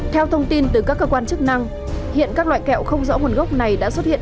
theo thông tin từ các cơ quan chức năng hiện các loại kẹo không rõ nguồn gốc này đã xuất hiện